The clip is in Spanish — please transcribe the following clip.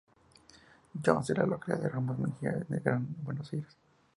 Jones, de la localidad de Ramos Mejía en el Gran Buenos Aires.